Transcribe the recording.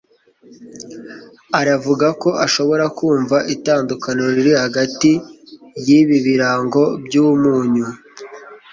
alain avuga ko ashobora kumva itandukaniro riri hagati yibi birango byumunyu